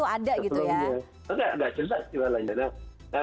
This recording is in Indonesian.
ada etalasenya lah ya etalasa jualannya itu ada gitu ya